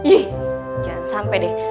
ih jangan sampai deh